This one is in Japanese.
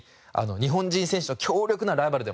日本人選手の強力なライバルでもあります。